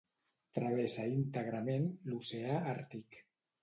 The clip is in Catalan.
Travessa íntegrament l'Oceà Àrtic.